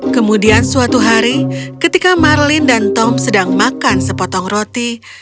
kemudian suatu hari ketika marlin dan tom sedang makan sepotong roti